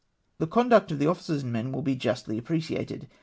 " The conduct of the officers and men \n\\ be justly ajj preciated.